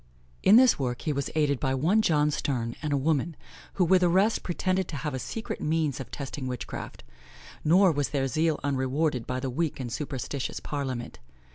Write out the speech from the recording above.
In this work he was aided by one John Stern, and a woman, who with the rest, pretended to have secret means of testing witchcraft; nor was their zeal unrewarded by the weak and superstitious parliament.